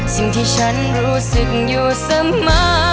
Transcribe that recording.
สิ่งที่ฉันรู้สึกอยู่เสมอ